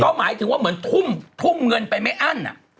หมายถึงว่าเหมือนทุ่มเงินไปไม่อั้น